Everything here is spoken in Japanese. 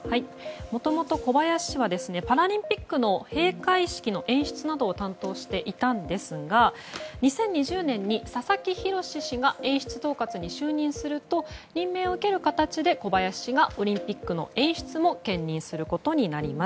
もともと小林氏はパラリンピックの閉会式の演出などを担当していたんですが２０２０年に佐々木宏氏が演出統括に就任すると、任命を受ける形で小林氏がオリンピックの演出も兼任することになります。